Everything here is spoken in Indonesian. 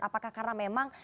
apakah karena memang